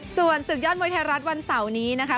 ส่วนศึกยอดมวยไทยรัฐวันเสาร์นี้นะคะ